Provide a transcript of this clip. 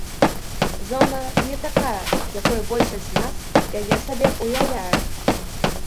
Зона не такая, якой большасць з нас яе сабе ўяўляе.